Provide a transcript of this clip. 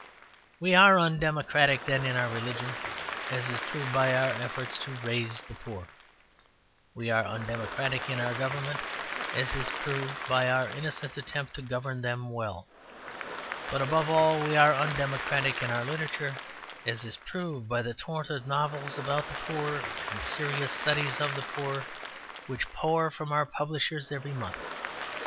We are undemocratic, then, in our religion, as is proved by our efforts to "raise" the poor. We are undemocratic in our government, as is proved by our innocent attempt to govern them well. But above all we are undemocratic in our literature, as is proved by the torrent of novels about the poor and serious studies of the poor which pour from our publishers every month.